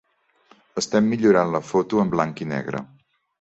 Estem millorant la foto en blanc i negre.